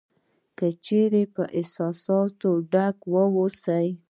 که چېرې په احساساتو ډک اوسې .